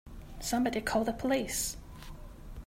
Somebody call the police!